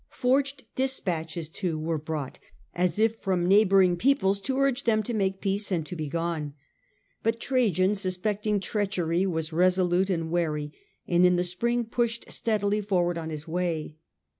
Forged de spatches, too, were brought as if from neighbouring peoples to urge him to make peace and to begone ; but Trajan, suspecting treachery, was resolute and wary, and in the spring pushed steadily forward on his way.